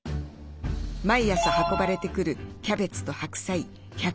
毎朝運ばれてくるキャベツと白菜１５０キロ。